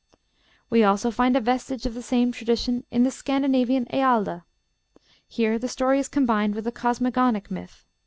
We also find a vestige of the same tradition in the Scandinavian Edda. Here the story is combined with a cosmogonic myth.